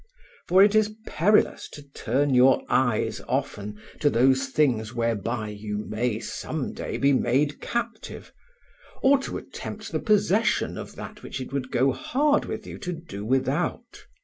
For it is perilous to turn your eyes often to those things whereby you may some day be made captive, or to attempt the possession of that which it would go hard with you to do without.